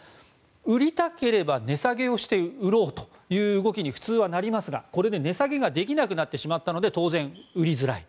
売りたければ値下げをして売ろうという動きに普通はなりますがこれで値下げができなくなってしまったので当然、売りづらい。